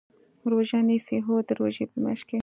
روژه نیسئ؟ هو، د روژی په میاشت کې